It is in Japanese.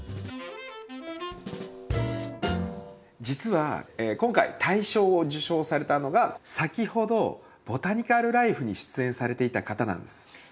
実は今回大賞を受賞されたのが先ほど「ボタニカル・らいふ」に出演されていた方なんです。